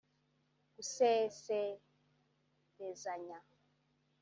guseserezanya